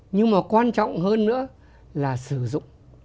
nhưng mà quan trọng hơn nữa là sử dụng